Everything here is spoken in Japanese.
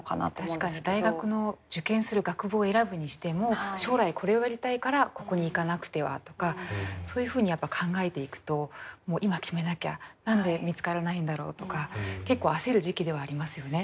確かに大学の受験する学部を選ぶにしても将来これをやりたいからここに行かなくてはとかそういうふうに考えていくともう今決めなきゃ何で見つからないんだろうとか結構焦る時期ではありますよね。